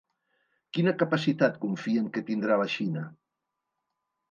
Quina capacitat confien que tindrà la Xina?